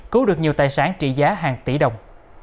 cứu được nhiều tài sản trị giá hàng tỷ đồng